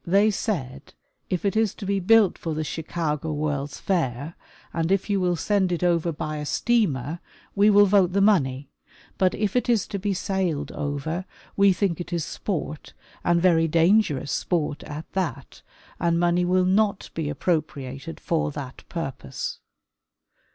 They said if it is to be built for the Chicago World^s Fair and if you will send it over by a steamer, we will vote the money, but if it is to be sailed over, we think it is sport and very dangerous sport at that, and money will not be appropriated for that purpose.